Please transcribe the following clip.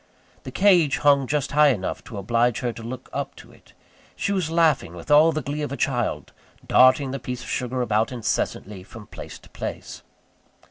The cage hung just high enough to oblige her to look up to it. She was laughing with all the glee of a child; darting the piece of sugar about incessantly from place to place.